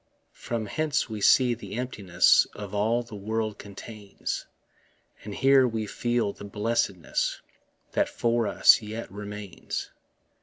From hence we see the emptiness Of all the world contains; And here we feel the blessedness That for us yet remains.